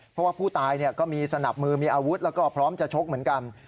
เพราะว่าผู้ตายก็มีสนับมือมีอาวุธแล้วก็พร้อมจะชกเหมือนกัน